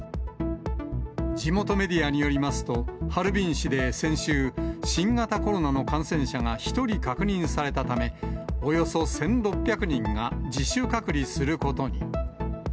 地元メディアによりますと、ハルビン市で先週、新型コロナの感染者が１人確認されたため、およそ１６００人が自主隔離することに。